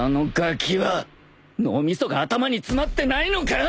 脳みそが頭に詰まってないのか？